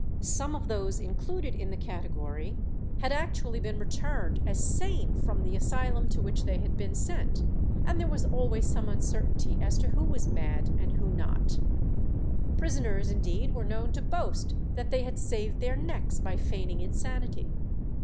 Some of those included in the category had actually been returned as sane from the asylum to which they had been sent, and there was always some uncertainty as to who was mad and who not. Prisoners indeed were known to boast that they had saved their necks by feigning insanity.